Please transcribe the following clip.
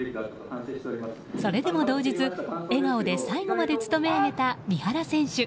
それでも動じず、笑顔で最後まで勤め上げた三原選手。